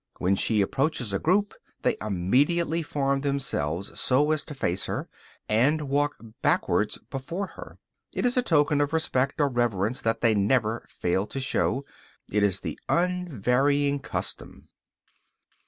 When she approaches a group they immediately form themselves so as to face her, and walk backwards before her. It is a token of respect or reverence that they never fail to show; it is the unvarying custom.